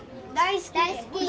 大好き？